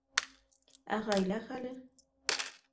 Ә ғаилә хәле?